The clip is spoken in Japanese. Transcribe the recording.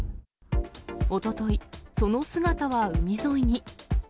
おととい、その姿は海沿いに。